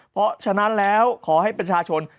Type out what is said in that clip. เพราะฉะนั้นแล้วขอให้ประชาชน